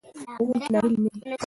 ښوونکی ناهیلی نه دی.